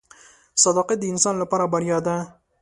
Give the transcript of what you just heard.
• صداقت د انسان لپاره بریا ده.